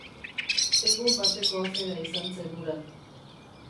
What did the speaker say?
Egun bateko afera izan zen hura.